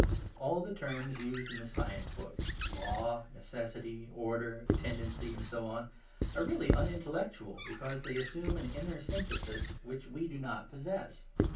All the terms used in the science books, "law," "necessity," "order," "tendency," and so on, are really unintellectual, because they assume an inner synthesis, which we do not possess.